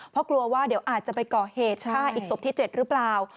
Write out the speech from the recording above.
เพราะกลัวว่าเดี๋ยวอาจจะไปก่อเหตุฆ่าอีกศพที่๗หรือเปล่า